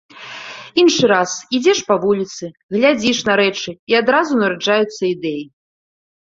Іншы раз ідзеш па вуліцы, глядзіш на рэчы і адразу нараджаюцца ідэі.